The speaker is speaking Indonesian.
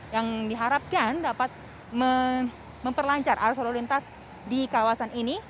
yang diharapkan dapat memperlancar arus lalu lintas di kawasan ini